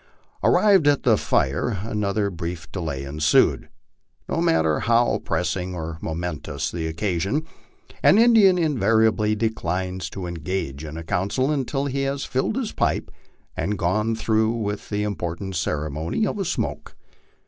Arrived at the fire, another brief delay ensued. No matter how pressing or momentous the occasion, an Indian invariably declines to en gage in a council until he has filled his pipe and gone through with the im portant ceremony of a smoke.